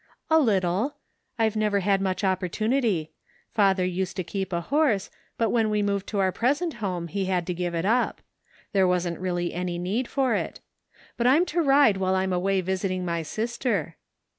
" "A little. I've never had much opportunity. Father used to keep a horse, but when we moved to our present home he had to give it up. There wasn't really any need for it. But I'm to ride while I'm away visiting my sister."